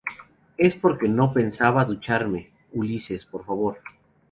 es porque no pensaba ducharme. Ulises, por favor